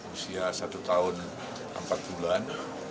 usia satu tahun empat bulan